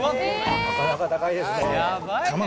なかなか高いですね。